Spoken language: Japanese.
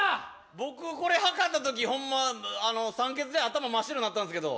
僕これはかったとき、酸欠で頭真っ白なったんですけど。